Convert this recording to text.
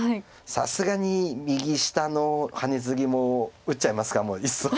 さすがに右下のハネツギも打っちゃいますかもういっそ。